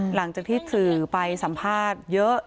หลังจากที่สื่อไปสัมภาษณ์เยอะ